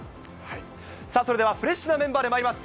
それではフレッシュなメンバーでまいります。